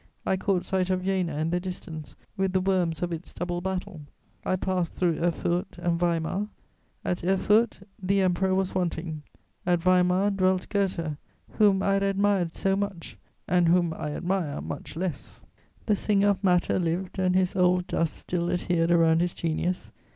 I caught sight of Jena in the distance, with the worms of its double battle. I passed through Erfurt and Weimar: at Erfurt, the Emperor was wanting; at Weimar dwelt Goethe, whom I had admired so much, and whom I admire much less. The singer of matter lived, and his old dust still adhered around his genius.